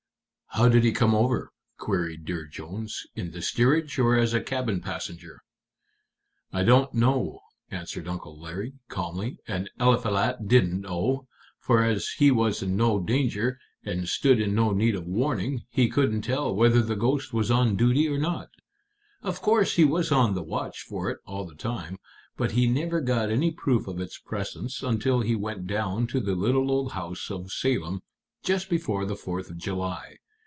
"How did he come over," queried Dear Jones "in the steerage, or as a cabin passenger?" "I don't know," answered Uncle Larry, calmly, "and Eliphalet didn't know. For as he was in no danger, and stood in no need of warning, he couldn't tell whether the ghost was on duty or not. Of course he was on the watch for it all the time. But he never got any proof of its presence until he went down to the little old house of Salem, just before the Fourth of July.